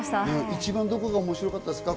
一番どこが面白かったですか？